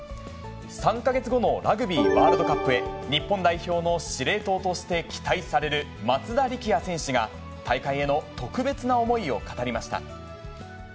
３か月後のラグビーワールドカップへ、日本代表の司令塔として期待される松田力也選手が、大会への特別な思いを語りました。